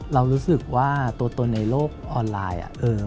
เรารู้สึกว่าตัวตนในโลกออนไลน์